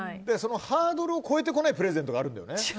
ハードルを越えてこないプレゼントがあるんだよね。